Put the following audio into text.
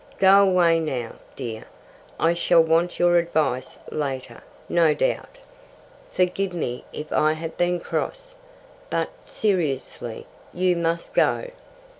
"Go away now, dear. I shall want your advice later, no doubt. Forgive me if I have been cross. But, seriously, you must go."